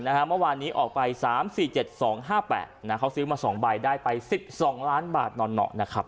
เมื่อวานนี้ออกไปสามสี่เจ็ดสองห้าแปดเขาซื้อมาสองใบได้ไปสิบสองล้านบาทหน่อนหน่อ